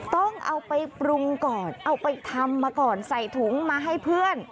ต้องเอาไปปรุงก่อนเอาไปทำมาก่อนใส่ถุงมาให้เพื่อน